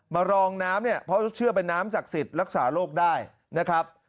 รองน้ำเนี่ยเพราะเชื่อเป็นน้ำศักดิ์สิทธิ์รักษาโรคได้นะครับ